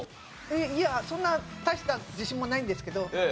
いやそんな大した自信もないんですけど。